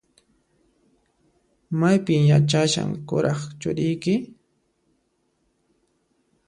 Maypin yachashan kuraq churiyki?